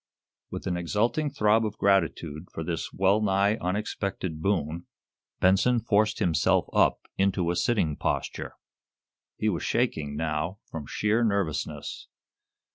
With an exulting throb of gratitude for this well nigh unexpected boon, Benson forced himself up into a sitting posture. He was shaking, now, from sheer nervousness.